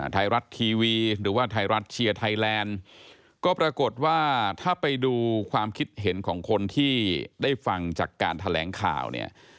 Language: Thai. ไทยรัฐทีวีหรือว่าไทยรัฐเชียร์ไทยแลนด์ก็ปรากฏว่าถ้าไปดูความคิดเห็นของคนที่ได้ฟังจากการแถลงข่าวเนี่ย